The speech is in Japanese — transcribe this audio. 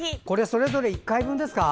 それぞれ１回分ですか？